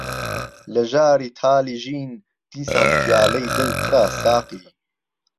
لە ژاری تالی ژین دیسان پیاله ی دل پرە ساقی